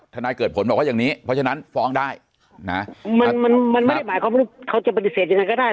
นายเกิดผลบอกว่าอย่างนี้เพราะฉะนั้นฟ้องได้นะมันมันไม่ได้หมายความว่าเขาจะปฏิเสธยังไงก็ได้